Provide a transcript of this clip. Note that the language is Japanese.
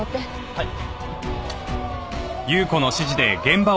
はい。